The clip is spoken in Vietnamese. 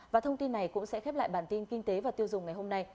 và thông tin này cũng sẽ khép lại bản tin kinh tế và tiêu dùng ngày hôm nay